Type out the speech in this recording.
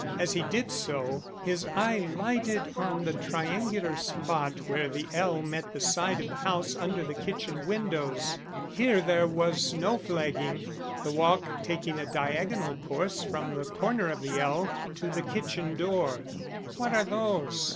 As he did so, his eye lighted on the triangular spot where the ell met the side of the house under the kitchen windows. Here there was no flagging, the walk taking a diagonal course from the corner of the ell to the kitchen door. "What are those?"